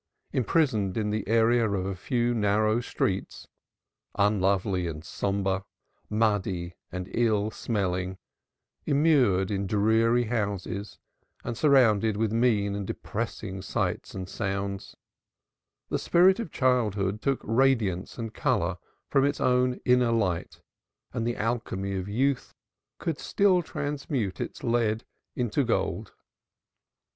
Imprisoned in the area of a few narrow streets, unlovely and sombre, muddy and ill smelling, immured in dreary houses and surrounded with mean and depressing sights and sounds, the spirit of childhood took radiance and color from its own inner light and the alchemy of youth could still transmute its lead to gold.